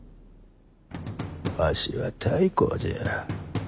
わしは太閤じゃ。